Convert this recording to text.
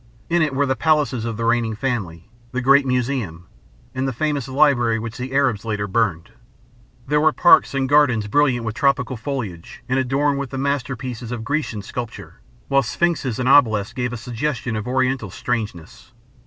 In it were the palaces of the reigning family, the great museum, and the famous library which the Arabs later burned. There were parks and gardens brilliant with tropical foliage and adorned with the masterpieces of Grecian sculpture, while sphinxes and obelisks gave a suggestion of Oriental strangeness.